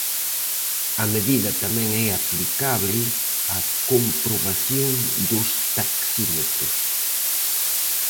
A medida tamén é aplicable á comprobación dos taxímetros.